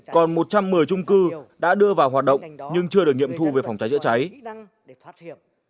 còn một trăm một mươi trung cư đã đưa vào hoạt động nhưng chưa được nghiệm thu về phòng cháy chữa cháy